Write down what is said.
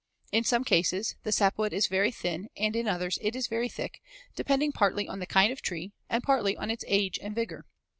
In some cases the sapwood is very thin and in others it is very thick, depending partly on the kind of tree, and partly on its age and vigor.